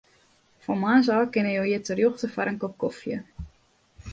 Fan moarns ôf kinne jo hjir terjochte foar in kop kofje.